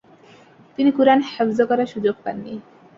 তিনি কুরআন হেফজ করার সুযােগ পান নি।